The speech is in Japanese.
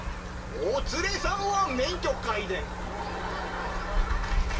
「お連れさんは免許皆伝！」。